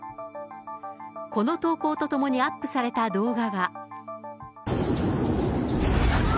この投稿とともにアップされた動画が。